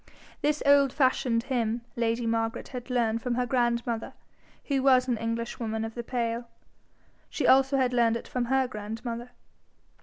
This old fashioned hymn lady Margaret had learned from her grandmother, who was an Englishwoman of the pale. She also had learned it from her grandmother.